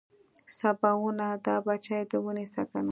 سباوونه دا بچي دې ونيسه کنه.